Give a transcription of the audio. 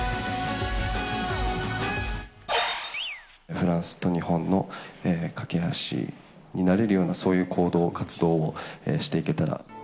フランスと日本の懸け橋になれるような、そういう行動、活動をしていけたら。